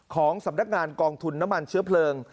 ของสำนักงานกองทุนน้ำมันเชื้อเพลิง